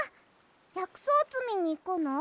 やくそうつみにいくの？